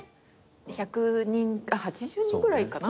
１００人８０人ぐらいかな？